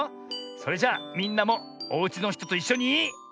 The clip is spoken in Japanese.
それじゃみんなもおうちのひとといっしょに。